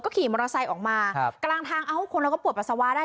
ก็ขี่มอเตอร์ไซด์ออกมาครับกลางทางเอาคนแล้วก็ปวดปัสสาวะได้